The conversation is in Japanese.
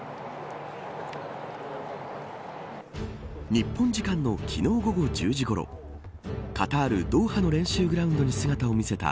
日本時間の昨日午後１０時ごろカタール、ドーハの練習グラウンドに姿を見せた